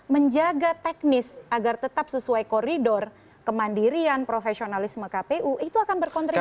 menjaga teknis agar tetap sesuai koridor kemandirian profesionalisme kpu itu akan berkontribusi